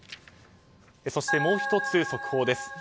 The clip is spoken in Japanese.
そして、もう１つ速報です。